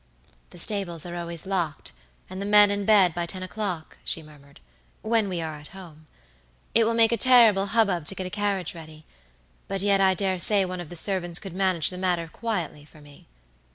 "The stables are always locked, and the men in bed by ten o'clock," she murmured, "when we are at home. It will make a terrible hubbub to get a carriage ready; but yet I dare say one of the servants could manage the matter quietly for me."